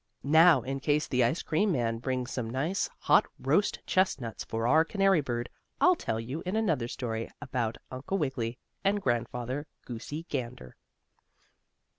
Now in case the ice cream man brings some nice, hot roast chestnuts for our canary bird, I'll tell you in another story about Uncle Wiggily, and Grandfather Goosey Gander.